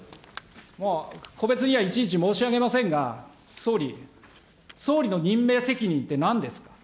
個別にはいちいち申し上げませんが、総理、総理の任命責任ってなんですか。